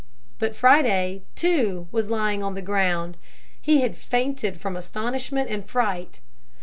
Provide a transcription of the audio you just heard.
But Friday, too, was lying on the ground. He had fainted from astonishment and fright.